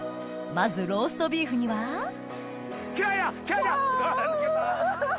まずローストビーフにはわぁ！